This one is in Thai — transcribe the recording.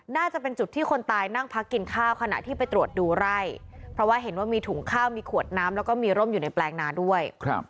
น่าจะเป็นจุดที่คนตายนั่งพักกินข้าวขณะที่ไปตรวจดูไร่เพราะว่าเห็นว่ามีถุงข้าวมีขวดน้ำแล้วก็มีร่มอยู่ในแปลงนาด้วย